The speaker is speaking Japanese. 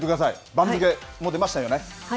番付も出ましたよね。